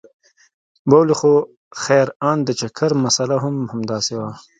بولې خو خير ان د چکر مساله هم همداسې وه.